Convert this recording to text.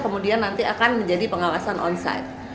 kemudian nanti akan menjadi pengawasan on site